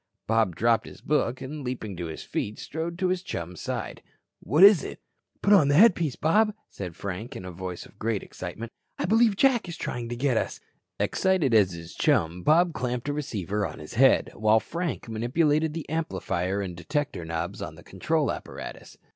Bob dropped his book and, leaping to his feet, strode to his chum's side. "What is it?" "Put on a headpiece, Bob," said Frank in a voice of great excitement. "I believe Jack is trying to get us." Excited as his chum, Bob clamped a receiver on his head, while Frank manipulated the "amplifier" and "detector" knobs on the control apparatus.